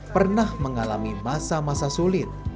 pernah mengalami masa masa sulit